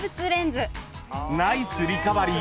［ナイスリカバリー！］